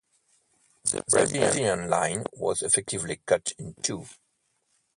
The Brazilian line was effectively cut in two.